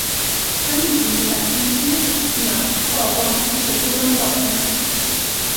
他立即以百分之一秒曝光拍摄多张照片。